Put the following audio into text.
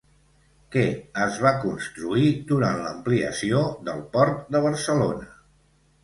Què es va construir durant l'ampliació del Port de Barcelona?